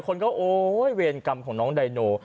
คนก็โอ๊ยเวรกรรมของน้องไดโน